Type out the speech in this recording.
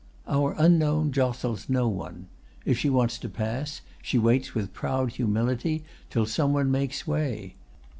"Our Unknown jostles no one. If she wants to pass, she waits with proud humility till some one makes way.